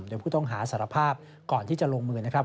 โดยผู้ต้องหาสารภาพก่อนที่จะลงมือนะครับ